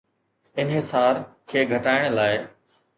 انحصار کي گهٽائڻ لاء